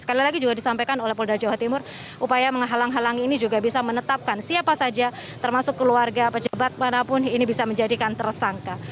sekali lagi juga disampaikan oleh polda jawa timur upaya menghalang halangi ini juga bisa menetapkan siapa saja termasuk keluarga pejabat manapun ini bisa menjadikan tersangka